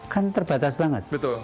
kan terbatas banget